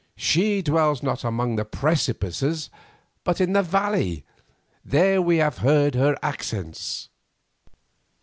She dwells not among the precipices, but in the valley; there we have heard her accents."